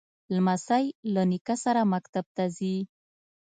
لمسی له نیکه سره مکتب ته ځي.